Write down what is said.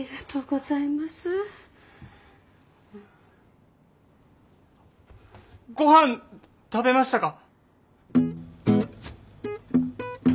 ごはん食べましたか？